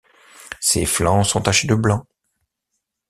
Ses flancs sont tachés de blancs.